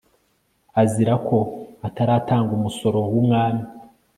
azira ko ataratanga umusoro w'umwami